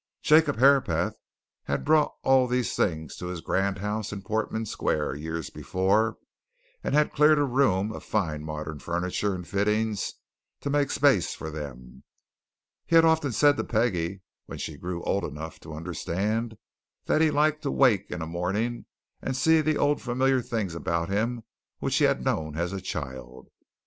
Jacob Herapath had brought all these things to his grand house in Portman Square years before, and had cleared a room of fine modern furniture and fittings to make space for them. He had often said to Peggie, when she grew old enough to understand, that he liked to wake in a morning and see the old familiar things about him which he had known as a child.